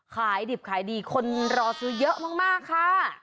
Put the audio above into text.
ขายดิบขายดีคนรอซื้อเยอะมากค่ะ